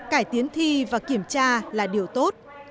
cải tiến thi và kiểm tra là điều tốt